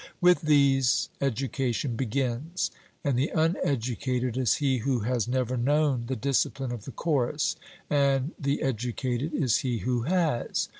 With these education begins; and the uneducated is he who has never known the discipline of the chorus, and the educated is he who has.